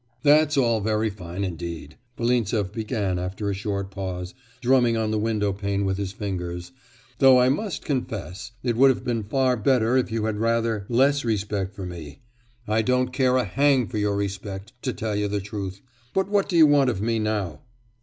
'That's all very fine indeed,' Volintsev began after a short pause, drumming on the window pane with his fingers, 'though I must confess it would have been far better if you had had rather less respect for me. I don't care a hang for your respect, to tell you the truth; but what do you want of me now?